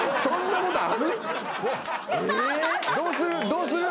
どうする？